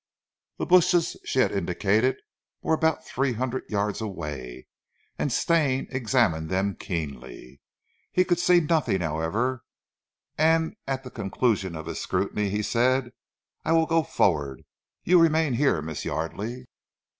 The bushes she had indicated were about three hundred yards away, and Stane examined them keenly. He could see nothing, however, and at the conclusion of his scrutiny he said: "I will go forward. You remain here, Miss Yardely."